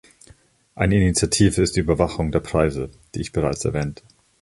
Eine Initiative ist die Überwachung der Preise, die ich bereits erwähnte.